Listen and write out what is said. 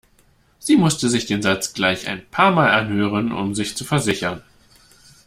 Sie musste sich den Satz gleich ein paarmal anhören um sich zu versichern.